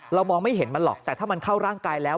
มองไม่เห็นมันหรอกแต่ถ้ามันเข้าร่างกายแล้ว